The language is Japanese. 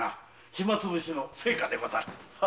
暇つぶしの成果でござる。